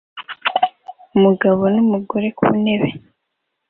Umugabo n'umugore ku ntebe